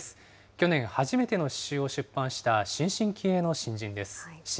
去年、初めての詩集を出版した新進気鋭の詩人です。